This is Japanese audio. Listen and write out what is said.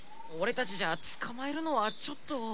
オレたちじゃつかまえるのはちょっと。